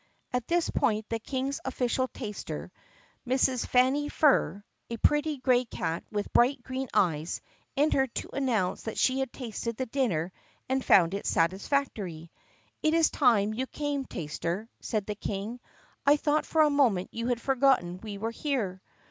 At this point the King's official taster, Mrs. Fanny Furr, a pretty gray cat with bright green eyes, entered to announce that she had tasted the dinner and found it satisfactory. "It 's time you came, taster," said the King. "I thought for a moment you had forgotten we were here."